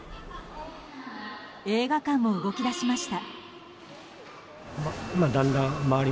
映画館も動き出しました。